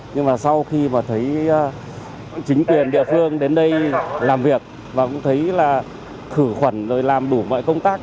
nhưng mà sau khi mà thấy chính quyền địa phương đến đây làm việc và cũng thấy là khử khuẩn rồi làm đủ mọi công tác